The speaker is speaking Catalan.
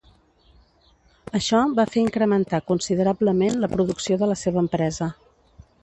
Això va fer incrementar considerablement la producció de la seva empresa.